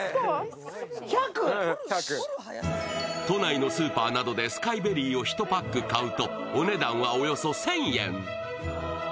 都内のスーパーなどでスカイベリーを１パック買うとお値段はおよそ１０００円。